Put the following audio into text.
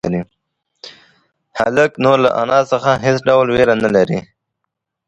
هلک نور له انا څخه هېڅ ډول وېره نه لري.